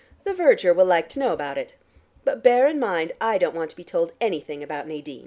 The verger will like to know about it. But bear in mind I don't want to be told anything about Nadine."